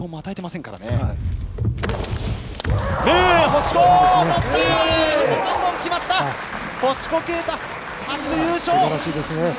星子啓太、初優勝！